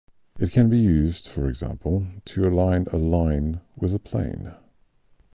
It can be used, for example, to align a line with a plane.